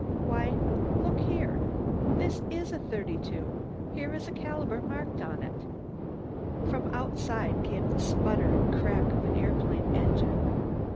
Why, look here! This is a 32. Here is the caliber marked on it." From outside came the sputter and crack of an aeroplane engine.